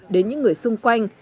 đến những người xung quanh